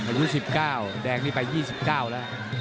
อายุ๑๙แดงนี้ไป๒๙แล้ว